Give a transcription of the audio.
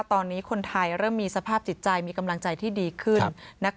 ตอนนี้คนไทยเริ่มมีสภาพจิตใจมีกำลังใจที่ดีขึ้น